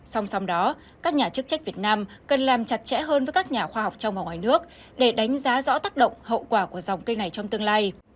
song song đó các nhà chức trách việt nam cần làm chặt chẽ hơn với các nhà khoa học trong và ngoài nước để đánh giá rõ tác động hậu quả của dòng cây này trong tương lai